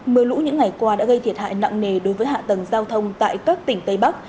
mưa lũ những ngày qua đã gây thiệt hại nặng nề đối với hạ tầng giao thông tại các tỉnh tây bắc